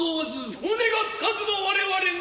性根がつかずば我々が。